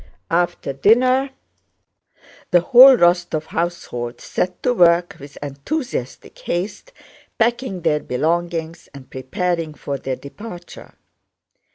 After dinner the whole Rostóv household set to work with enthusiastic haste packing their belongings and preparing for their departure.